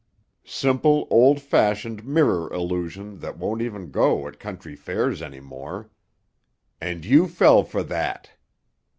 Simple, old fashioned mirror illusion that won't even go at country fairs any more. And you fell for that!